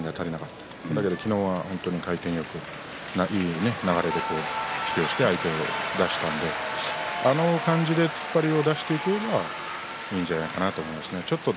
ただ昨日は本当に回転よくいい流れで突き押しで相手を出したのであの回転で突っ張りを出していくぶんにはいいんじゃないかなと思いますね。